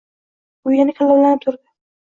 U yana kalovlanib turdi.